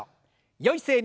よい姿勢に。